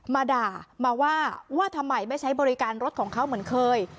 มาด่ามาว่าว่าทำไมไม่ใช้บริการรถของเขาเหมือนเคย